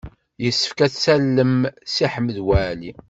Yessefk ad tallem Si Ḥmed Waɛli.